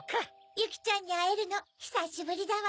ゆきちゃんにあえるのひさしぶりだわ！